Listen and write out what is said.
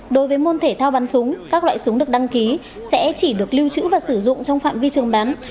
đối với môn thể thao bắn súng các loại súng được đăng ký sẽ chỉ được lưu trữ và sử dụng trong phạm vi trường bắn